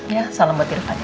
ya salam buat irfan